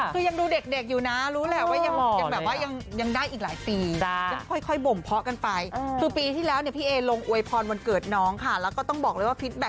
คือยังดูเด็กอยู่นะรู้แหละว่ายังแบบว่ายังได้อีกหลายปียังค่อยบ่มเพาะกันไปคือปีที่แล้วเนี่ยพี่เอลงอวยพรวันเกิดน้องค่ะแล้วก็ต้องบอกเลยว่าฟิตแก๊